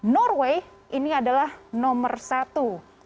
norway ini adalah nomor satu